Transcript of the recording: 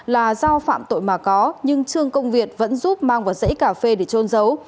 là do phạm tội mà có nhưng trương công việt vẫn giúp mang vào dãy cà phê để trôn giấu